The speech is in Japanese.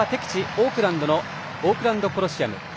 オークランドのオークランドコロシアム。